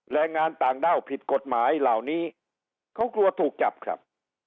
แรงงานต่างด้าวผิดกฎหมายเหล่านี้เขากลัวถูกจับครับ